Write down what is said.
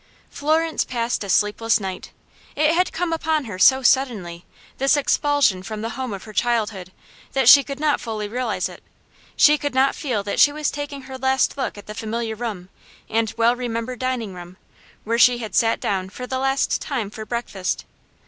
Florence passed a sleepless night. It had come upon her so suddenly, this expulsion from the home of her childhood, that she could not fully realize it. She could not feel that she was taking her last look at the familiar room, and well remembered dining room, where she had sat down for the last time for breakfast.